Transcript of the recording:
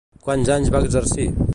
Quants anys va exercir?